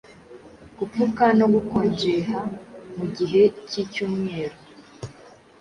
Gupfuka no gukonjeha mugihe cyicyumweru